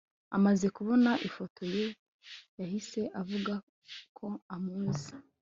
amaze kubona ifoto ye yahise avugako amuzi